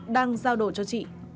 đang giao đồ cho chị